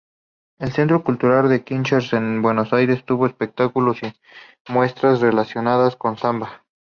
El Centro Cultural Kirchner en Buenos Aires tuvo espectáculos y muestras relacionadas con Zamba.